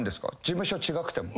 事務所違くても。